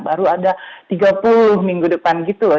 baru ada tiga puluh minggu depan gitu loh